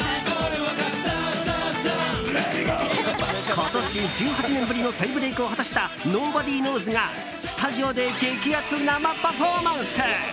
今年、１８年ぶりの再ブレークを果たしたｎｏｂｏｄｙｋｎｏｗｓ＋がスタジオで激アツ生パフォーマンス！